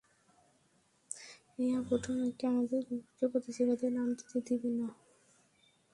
এই আপুটা না কি আমাদের কুকুরকে প্রতিযোগিতায় নাম দিতে দিবে না।